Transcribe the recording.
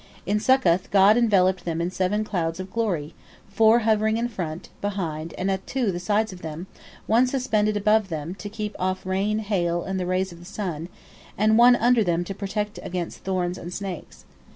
In Succoth God enveloped them in seven clouds of glory, four hovering in front, behind, and at the two sides of them, one suspended above them, to keep off rain, hail, and the rays of the sun, and one under them to protect them against thorns and snakes.